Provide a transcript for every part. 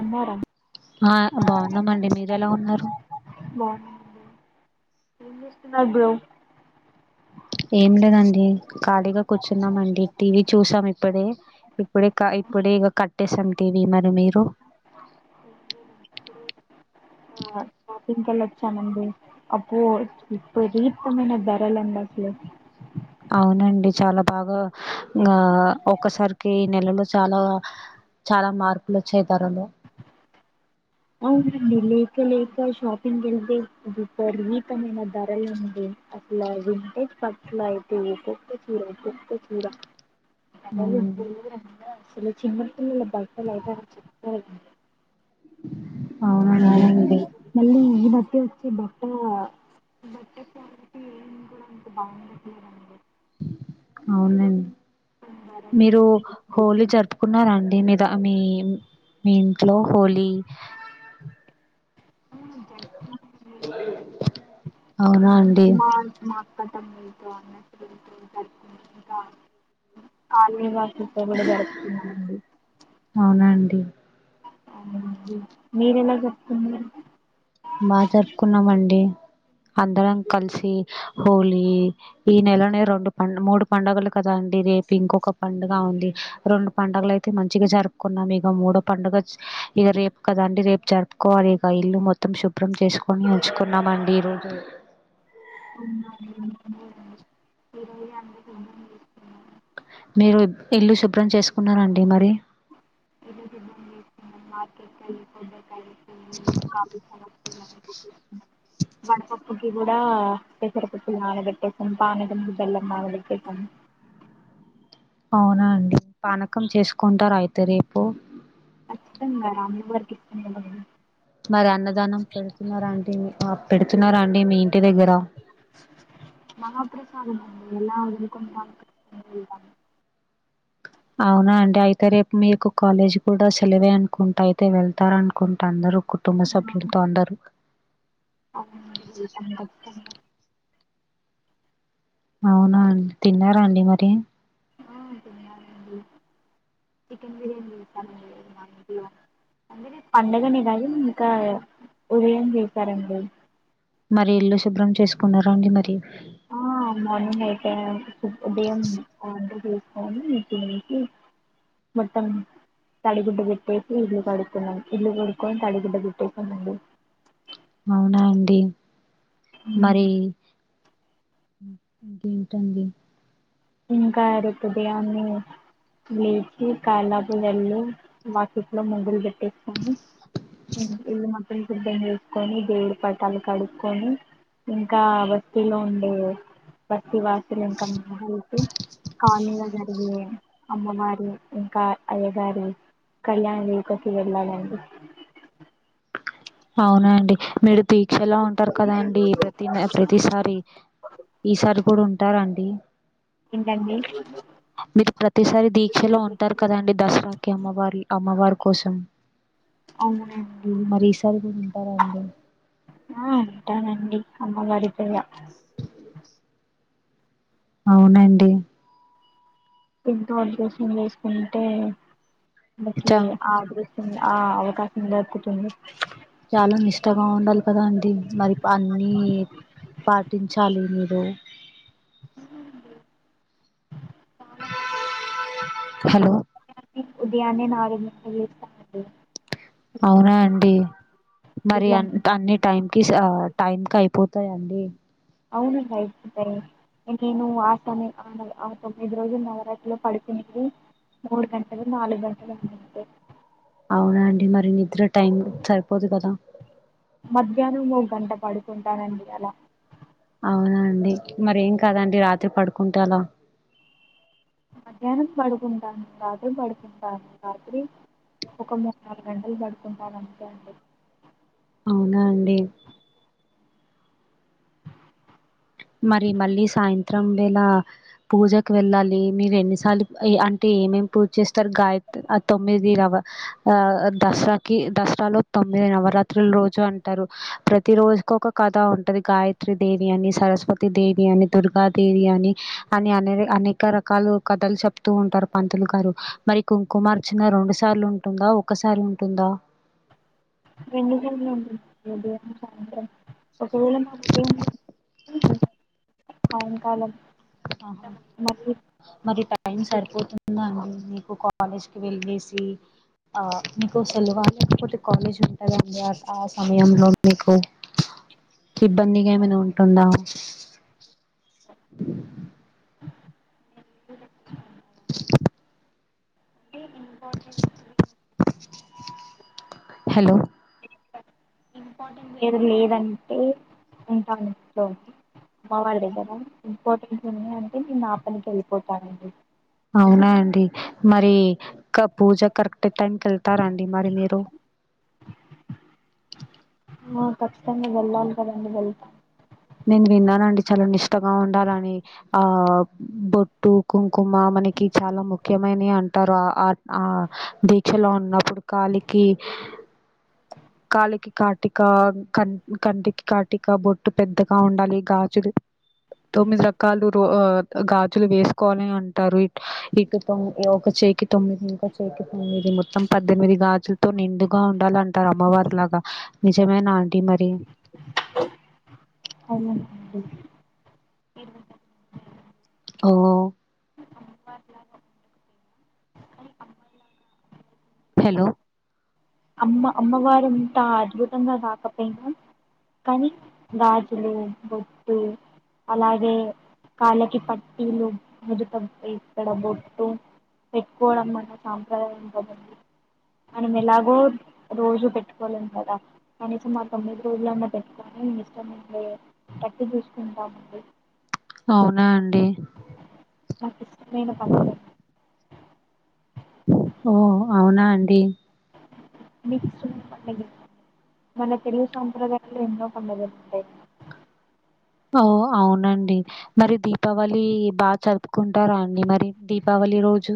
అన్నార ఆ బాగున్నామండి మీరు ఎలా ఉన్నారు. బావున్నామండి. ఏం చేస్తున్నారు బ్రో. ఏం లేదండి ఖాళీగా కూర్చున్నామండి. టీవీ చూసాం ఇప్పుడే ఇప్పుడే ఇప్పుడే ఇగ కట్టేసాం టీవీ మరి మీరు. చమండి. అబ్బో విపరీతమైన ధరలండి అసలు. అవునండి చాలా బాగా ఆ ఒక్కసారికి ఈ నెలలో చాలా చాలా మార్పులు వచ్చాయి ధరలో. అవునండి లేక లేక షాపింగ్ వెళ్తే విపరీతమైన ధరలు ఉంది. అసలా వింటేజ్ పట్టులో అయితే ఒక్కొక చీర, ఒక్కొక చీర ధరలు ఘోరంగా అసలు చిన్నపిల్లల బట్టలైతే చెప్పా అవసరం లేదు. అవునండి మళ్ళీ ఇది వచ్చేసి బట్టా అవునండి. కొన్ని ధరలు మీరు మాత్రం హోలీ విపరీతంగా జరుపుకున్నరాండి మీ త మీ మీ ఇంట్లో హోలీ అవునా అండి. కాలనీ వాళ్ళు ఇంట్లో కూడా జరుపుకున్నామండి. అవునా అండి మీరెలా జరుపుకున్నారు. బా జరుపుకున్నామండి. అందరం కలిసి హోలీ ఈ నెలనే రెండు మూడు పండుగలు కదండి. రేపు ఇంకొక పండుగ ఉంది. రెండు పండుగలు అయితే మంచిగా జరుపుకున్నాం. ఇగ మూడో పండుగ ఇగ రేపు కదండి రేపు జరుపుకోవాలి. ఇగ ఇల్లు మొత్తం మొత్తం శుభ్రం చేసుకొని ఉంచుకున్నామండి ఈరోజే. ఉ అ [unintelligible] మీరు ఇల్లు శుభ్రం చేసుకున్నారంండి మరి ఇకి బ మార్కెట్ క వెళ్ కాఫ స వడపప్పుకి కూడా పెసరపప్పులు నానబెట్టేసాను పానీ జల్లం నానబెట్టేసాను అవునా అండి పానకం చేసుకుంటారు అయితే త రేపు ఖచ్చితంగా రామ్ వారికి ఇస్తుంది మరి అన్నదానం పెడుతున్నారా అంటడి పెడుతున్నారా అండి మీ ఇంటి దగ్గర ఎలాా ఉక అవునా అండి అయితే రేపు మీకు కాలేజ్ కూడా సెలవే అనుకుంటా అయితే వెళ్తారు అనుకుంటా అందరుూ కుటుంబ సభ్యులతో అందరు అవున్ అండి పానికి వస్తునాయి అవునాడి తిన్నారా అండి మరి ఆ చికెన్ బిర్యానీ అ పండగనే కానీ ఇంకా ఉదయం చేసారంండి మరి ఇల్లు శుభ్రం చేసుకున్న అండి మరి ఆ మార్నింగ్ అయిట్ ఉదయంంట తీసుకని న తినసి మొత్తం తడిగుడ్డ పెట్టేసి ఇల్లు కడుక్కున్నాం ఇల్లు కడుక్కొని తడిగుడ్డ పెట్టేసిండి అవునా అండి మరి ఇంకేంటండి ఇంకా రతుబయాన్ని లేచి కాాలపు ఎల్లు వాకిట్లో ముగ్గురు పెట్ ఇ మ ఇ సిద్ధం చేసుకొని దేవుడి పటాలు కడుక్కకొని ఇంకా బస్తీలో ఉండే బస్తతి వాసులు ఇంకా మ కానీలో జరిగే అమ్మగారి ఇంకా అయ్య గారి కళ్యాణ జవితకి వెళ్ళాలండి అవునాండి మీరు దీక్షలా ఉంటారు కదా అండి ప్రతి ప్రతిసారి ఈసారి కూడా ఉంటారంండి ఏంటండి మీరు ప్రతిసారి దీక్షలో ఉంటారు కదాండి దసరాకి అమ్మవారి అమ్మవారు కోసం అవును మరి ఈసారి కూడా ఉంటారా అండి? ఆ అంటానండి అమ్మ మరిపో అవునండి ఎంతో అద్యషం చేసుకుంటే అకకి చా ఆ ఆ అవకాశం దొక్కుతుంది చాలా నిష్టగా ఉండాలి కదా అండి మరి అన్ని పాటించాలి మీరు చాలాగు హలో ఉదయాన నాగ అవునా అండి మరి అ ఇల్లంత అన్ని టైం క టైంకి అయిపోతాయండి అవునండి అయితయి నేను ఆ స ఆ ఆ తొమ్మిది రోజులు నవరాత్రిలో పడుకునేది మూడు గంటలు నాలుగు గంటలు ఉందంటే అవునా అండి మరి నిద్ర టైం సరిపోదు కదా మధ్యాహ్నం ఓ గంట పడుకుంటానండి అలా అవునా అండి మరేం కాదండి రాత్రి పడుకుంట కుట్టలా మధ్యాహ్నం పడుకుంటాను రాత్రి పడుకుంటాను రాత్రి ఒక మూడు నాలుగు గంటలు పడుకుంటానుంతే అడి అవునా అండి మరి మళ్ళీ సాయంత్రం వేళ పూజకి వెళ్ళాలి మీరు ఎన్నిసార్లు అంటే ఏమేం పూజ చేస్తారు గాయత్రి ఆ తొమ్మిది రవ ఆ దసరాకి దసరాలో తొమ్మిది నవరాత్రుల రోజు అంటారు ప్రతి రోజుకి ఒక కథ ఉంటది గాయత్రి దేవి అని సరస్వతి పపతి దేవి అని దుర్గాదేవి అని అని అనే అనేక రకాల కథలు చెప్తూ ఉంటారు పంతులు గారు మరి కుంకుమార్చన రెండు సార్లు ఉంటుందా ఒకసారి ఉంటుందా రెండు వే ఉ సాయంత్రం ఒకవేళ మ సాయంకాలం ఆహా మళ్ళీ మరి టైం సరిపోతుందా అండి మీకు కాలేజ్కి వెళ్ళసి ఆ మీకు సెలవు లేకపోతే కాలేజ్ ఉంటుందిండి ఆ సమయంలో మీకు ఇబ్బందిగా ఏమైనా ఉంటుందా అ ఇంపార్టెంట్ ఇ హలో ఇంపార్టెంట్ ఏది లేదంటే ఉంటాను ఇంట్లో అమ్మ వాళ్ళ దగ్గర ఇంపార్టెంస్ ఉంది అంటే నేను మా అపకి వెళ్ళిపోతానండి అవునాండి మరి ఇ పూజ కరెక్ట్ టైంకి వెళ్తారాండి మరి మీరు ఖచ్చితంగా వెళ్లాల కదండి వెళ్తా నేను విన్నానండి చాలా నిష్టగా ఉండాలని ఆ బొట్టు కుం కుమా మనకి చాలా ముఖ్యం అంటారు ఆ దీక్షలో ఉన్నప్పుడు కాలకి కాలకి కాటిక క కంటికి కాటిక బొట్టు పెద్దగా ఉండాలి గాజులు తొమ్మిది రకాలు రో గాజులు వేసుకోవాలి అంటారు ఇటు తొమ్ ఒక చేకి తొమ్మిది ఇంకో చేకి తొమ్మిది మొత్తం పద్దెనిమిది గాజులతో నిండుగా ఉండాల అంటారు అమ్మవారి లాగా నిజమేనా ఆంటీ మరి అవు ఓ హలో అమ్మ అమ్మవారుంతా అద్భుతంగా రాకపోయినా కానీ గాజులు బొట్టు అలాగే కాళ్ళకి పట్టీలు మదుటక్కడ బొట్టు పెట్టుకోవడం మన సాంప్రదాయం కా ఉంది మనం ఎలాగ ో రోజు పెట్టుకోలేను కదా కనీసం మా తొమ్మిది రోజులన్నా పెట్టుకని నే ఇష్టమ గట్టి చూసుకుంటామండి అవునా అండి ఓకే మీను పాకుద ఓ అవునా అండి మీకిష్టమైన పండుగలు ఏమున్నాయి మన తెలుగు సాంప్రదాయాంలో ఎన్నో పండుగలు ఉంటాయి ఓ అవునండి మరి దీపావళి బాగా జరుపుకుంటారా అండి మరి దీపావళి రోజు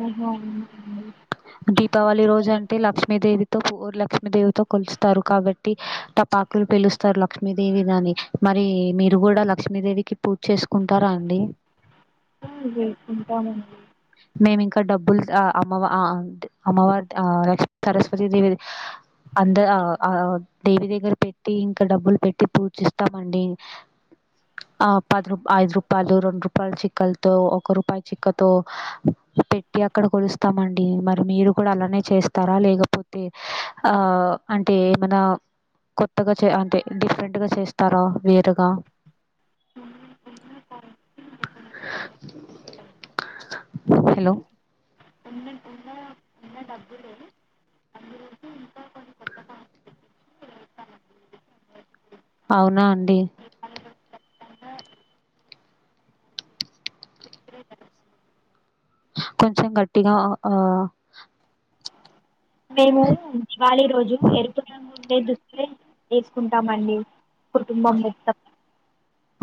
ఓహో అవునండి దీపావళి రోజు అంటే లక్ష్మీదేవితో పూ లక్ష్మీదేవితో కొలుస్తారు కాబట్టి టపాకులు పేలుస్తారు లక్ష్మీదేవి దని మరి మీరు కూడా లక్ష్మీదేవికి పూజ చేసుకుంటారా అండి అండి ఆ, ఉంటామండి మేమి ఇంకా డబ్బుల్ ఆ అమ్మవ ఆ డు అమ్మవాది ఆ లక్మి సరస్వతి దేవిది అంద ఆ దేవి దగ్గర పెట్టి ఇంకా డబ్బులు పెట్టి పూజిస్తామండి ఆ పది రూ ఐదు రూపాయలు రెండు రూపాయలు చిక్కలతో ఒక రూపాయి చిక్కతో పెట్టి అక్కడ కొలుస్తామండి. మరి మీరు కూడా అలానే చేస్తారా లేకపోతే ఆ అంటే ఏమనా కొత్తగా చే అంటే డిఫరెంట్గా చేస్తారా వేరుగా కోన్నీ కొన్ని కాయిన్స్ కి లోపలే పూజండి హలో కొన్ని ఉన్న ఉన్న డబ్బు లోనే అందులోకి ఇంకా [inaudible] అవునా అండి కొంచెం గట్టిగా ఆ మేము దివాళి రోజు ఎరుపు రంగు ఇవే దుస్తులే వేసుకుంటామండి కుటుంబం మొత్తం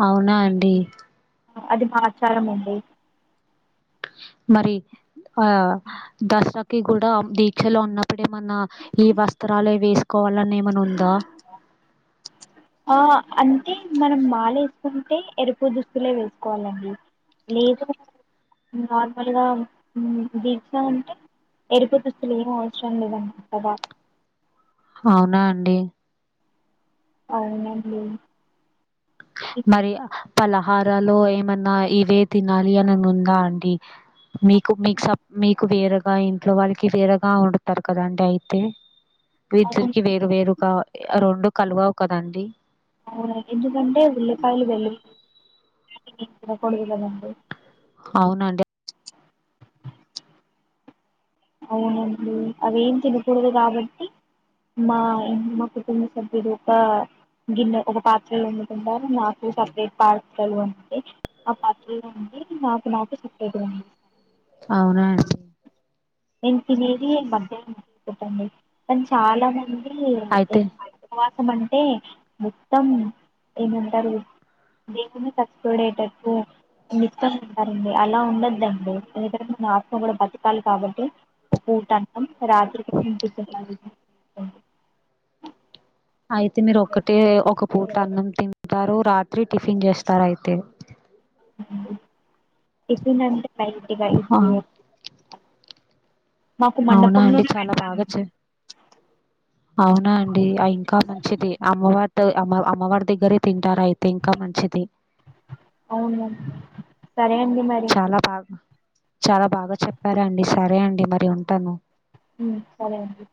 అవునా అండి అది మా ఆచారం అండి మరి ఆ దసరాకి కూడా దీక్షలో ఉన్నప్పుడేమన్నా ఈ వస్త్రాలే వేసుకోవాలని ఏమన్న ఉందా ఆ అంటే మనం మాల వేసుకుంటే ఎరుపు దుస్తులే వేసుకోవాలండి లేదా నార్మల్గా దీక్ష అంటే ఎరుపు దుస్తులు ఏం అవసరం లేదన్నమాట కదా అవునా అండి అవునండి మరి పలా హారాలో ఏమన్నా ఇవే తినాలి అని ఉందా అండి మీకు మీకు స మీకు వేరే ఇ ఇంట్లో వాళ్ళకి వేరగా వండుతారుకడండి అయితే మీ అవును ఇద్దరికి వేరు వేరుగా రెండు కలువవు కదండి అవునా ఎందుకంటే ఉల్లిపాయలు వెల్లులిపాయలు మేం తినకూడదుకదండి అవునండి అవునండి అవేం తినకూడదు కాబట్టి మా మా కుటుంబ సభ్యులు ఒక గిన్నె ఒక పాత్రలో వండుకుంటారు మాకు సపరేట్ పాత్రలు ఉంటవి ఆ పాత్రలో వండి నాకు నాకు సపరేట్ గా అవునా అండి తినేది బర్త్డే అయిందని చెప్పండి కాని చాలా మంది అయితే [unintelligible] ఉపవాసమండి టె మొత్తం ఏమంటారు దేవుని కష్టపడేటట్టు అన్నిటితోనే ఉంటారండి అలా ఉండ దండి మన ఆత్మ కూడా బతుకాలి కాబట్టి ఒక పూట అన్నం రాత్రికి [unintelligible] అయితే మీరు ఒక్కటే ఒక పూట్ల అన్నం తింటారు రా రాత్రి టిఫిన్ చేస్తారయితే టిఫిన్ అంటే ట్గా ఇ ఆ [unintelligible] అవునా అండి మండపంలోనే చాలా బాగా పెడతారండి చ అవునా అండి ఇంకా మంచిది అమ్మవారి అమ్మవారి దగ్గర ఉంటార అయితే ఇంకా మంచిది అవును సరే అండి మరి చాలా బాగా చాలా బాగా చెప్పారాండి. సరే అండి మరి ఉంటాను. సరే అండి